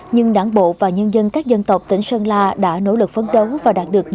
nhưng đảng bộ và nhân dân các dân tộc tỉnh sơn la đã nỗ lực phấn đấu và đạt được